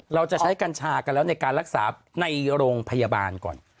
เราจะใช้กัญชากันแล้วในการรักษาในโรงพยาบาลก่อน